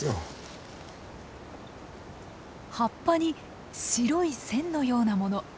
葉っぱに白い線のようなもの。